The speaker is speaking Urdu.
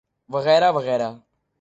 وغیرہ وغیرہ۔